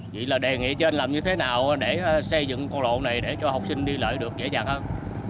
chỉ là đề nghị cho anh làm như thế nào để xây dựng con lỗ này để cho học sinh đi lợi được dễ dàng hơn